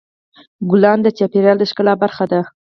ګلان د چاپېریال د ښکلا برخه ده.